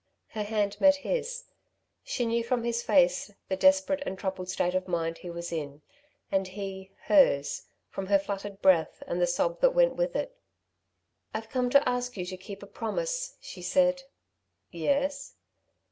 Her hand met his. She knew from his face the desperate and troubled state of mind he was in, and he, hers, from her fluttered breath and the sob that went with it. "I've come to ask you to keep a promise," she said. "Yes?"